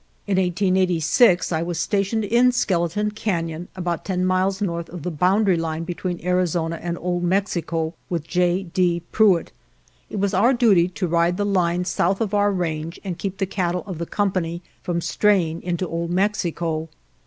In 1886 I was stationed in Skeleton Canon, about 10 miles north of the boun dary line between Arizona and Old Mexico, with J. D. Prewitt. It was our duty to ride the lines south of our range and keep the cattle of the Company from straying into Old Mexico.